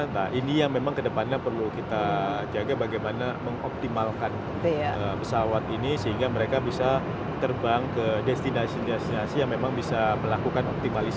nah ini yang memang kedepannya perlu kita jaga bagaimana mengoptimalkan pesawat ini sehingga mereka bisa terbang ke destinasi destinasi yang memang bisa melakukan optimalisasi